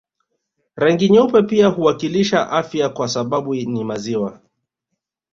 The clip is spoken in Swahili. Rangi nyeupe pia huwakilisha afya kwa sababu ni maziwa